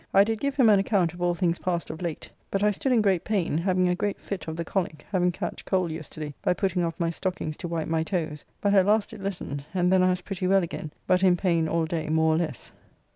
I did give him an account of all things past of late; but I stood in great pain, having a great fit of the colic, having catched cold yesterday by putting off my stockings to wipe my toes, but at last it lessened, and then I was pretty well again, but in pain all day more or less.